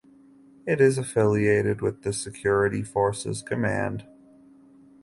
It is affiliated with the Security Forces Command.